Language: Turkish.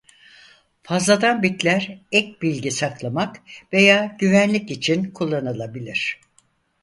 Fazladan bitler ek bilgi saklamak veya güvenlik için kullanılabilir.